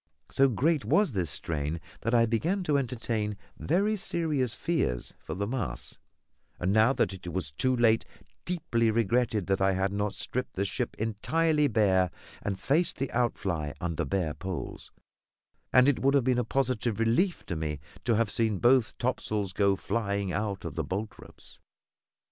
So great was this strain that I began to entertain very serious fears for the masts; and, now that it was too late, deeply regretted that I had not stripped the ship entirely bare and faced the outfly under bare poles; and it would have been a positive relief to me to have seen both topsails go flying out of the boltropes.